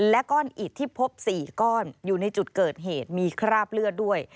และก้อนอิดที่พบ๔ก้อนอยู่ในจุดเกิดเหตุมีคราบเลือดด้วย